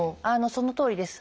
そのとおりです。